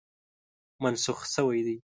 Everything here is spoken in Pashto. منسوخ شوی دی.